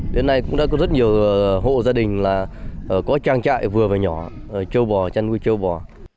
đến nay cũng đã có rất nhiều hộ gia đình là có trang trại vừa và nhỏ châu bò chăn nuôi châu bò